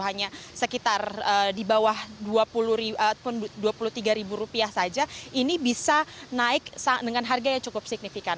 hanya sekitar di bawah dua puluh tiga saja ini bisa naik dengan harga yang cukup signifikan